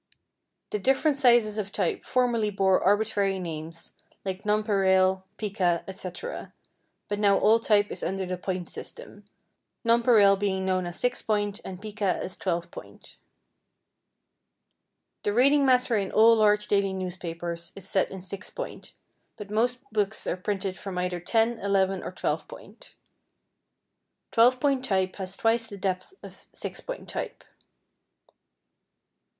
The different sizes of type formerly bore arbitrary names, like Nonpareil, Pica, etc., but now all type is under the point system, Nonpareil being known as 6 Point and Pica as 12 Point. The reading matter in all large daily newspapers is set in 6 Point, but most books are printed from either 10, 11, or 12 Point. Twelve Point type has twice the depth of 6 Point type.